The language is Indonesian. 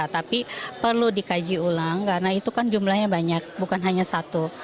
tapi perlu dikaji ulang karena itu kan jumlahnya banyak bukan hanya satu